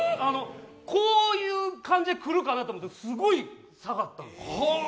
こういう感じで来るかなと思ったらすごい下がったの。